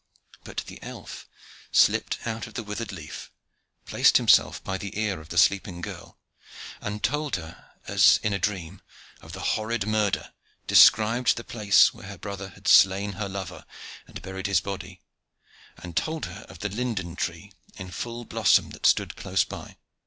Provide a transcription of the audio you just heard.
But the elf slipped out of the withered leaf, placed himself by the ear of the sleeping girl, and told her, as in a dream, of the horrid murder; described the place where her brother had slain her lover, and buried his body; and told her of the linden tree, in full blossom, that stood close by.